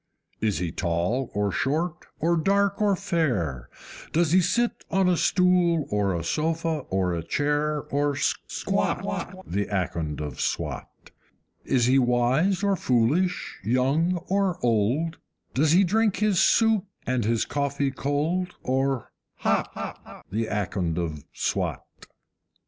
Is he tall or short, or dark or fair? Does he sit on a stool or a sofa or chair, or SQUAT, The Akond of Swat? Is he wise or foolish, young or old? Does he drink his soup and his coffee cold, or HOT, The Akond of Swat?